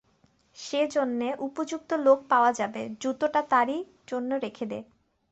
সেজন্যে উপযুক্ত লোক পাওয়া যাবে, জুতোটা তাঁরই জন্যে রেখে দে।